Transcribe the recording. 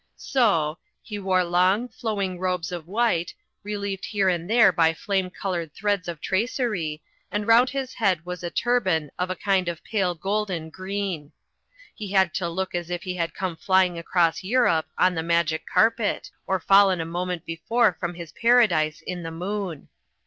So— he wore long, flow ing robes of white, relieved here and there by flame coloured threads of tracery, and round his head was a turban of a kind of pale golden green. He had to look as if he had come flying across Europe on the magic carpet, or fallen a moment before from his paradise in the moon.